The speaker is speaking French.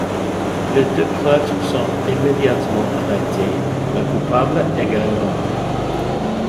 Les deux prêtres sont immédiatement arrêtés, la coupable également.